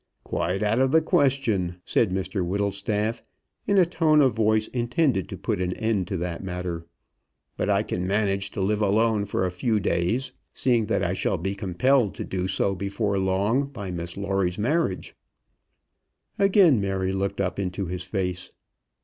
"Quite out of the question," said Mr Whittlestaff, in a tone of voice intended to put an end to that matter. "But I can manage to live alone for a few days, seeing that I shall be compelled to do so before long, by Miss Lawrie's marriage." Again Mary looked up into his face.